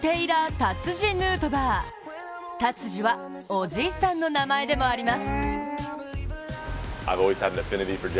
タツジはおじいさんの名前でもあります。